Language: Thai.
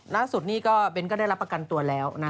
ล่าสุดนี่ก็เบ้นก็ได้รับประกันตัวแล้วนะ